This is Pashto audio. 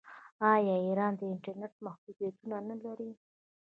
آیا ایران د انټرنیټ محدودیتونه نلري؟